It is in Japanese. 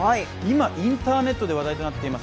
インターネットで話題となっています